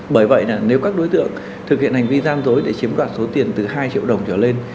bởi vậy là nếu các đối tượng thực hiện hành vi gian dối để chiếm đoạt số tiền từ hai triệu đồng trở lên